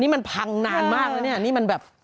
นี่มันพังนานมากเลยนี่มันแบบ